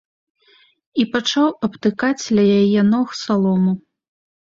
І пачаў абтыкаць ля яе ног салому.